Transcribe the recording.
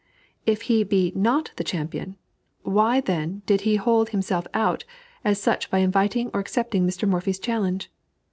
If he be not the champion, why then did he hold himself out as such by inviting or accepting Mr. Morphy's challenge?